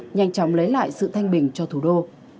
nhanh chóng lấy lại sự thanh bình cho thủ đô